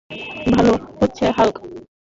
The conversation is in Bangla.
ভালো হচ্ছে, হাল্ক!